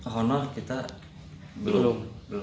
honor kita belum